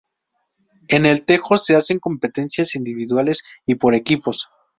En el tejo se hacen competencias individuales y por equipos.